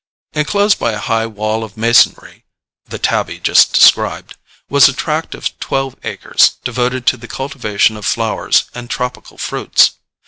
Enclosed by a high wall of masonry (the "tabby" just described) was a tract of twelve acres devoted to the cultivation of flowers and tropical fruits.